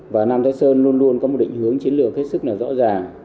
và nam thái sơn luôn luôn có một định hướng chiến lược hết sức là rõ ràng